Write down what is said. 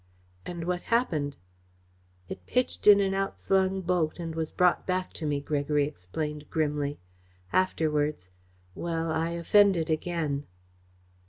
"And what happened?" "It pitched in an outslung boat and was brought back to me," Gregory explained grimly. "Afterwards well, I offended again."